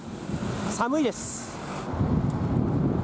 寒いです。